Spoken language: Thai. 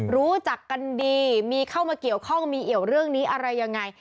รู้จักกันดีมีเข้ามาเกี่ยวข้องมีเอี่ยวเรื่องนี้อะไรยังไง